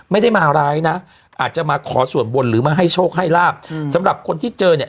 ไม่ได้มาร้ายนะอาจจะมาขอส่วนบนหรือมาให้โชคให้ลาบสำหรับคนที่เจอเนี่ย